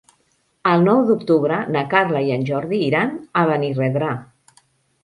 El nou d'octubre na Carla i en Jordi iran a Benirredrà.